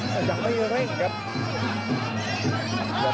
และจังดีเป็นกำลังใดกันครับ